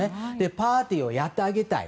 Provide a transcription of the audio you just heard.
パーティーをやってあげたい。